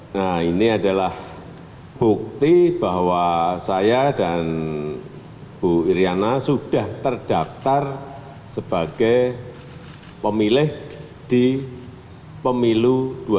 nah ini adalah bukti bahwa saya dan bu iryana sudah terdaftar sebagai pemilih di pemilu dua ribu sembilan belas